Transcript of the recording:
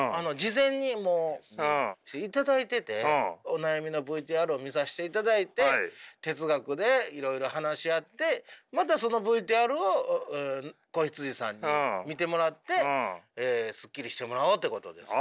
お悩みのＶＴＲを見さしていただいて哲学でいろいろ話し合ってまたそのＶＴＲを子羊さんに見てもらってすっきりしてもらおうということです。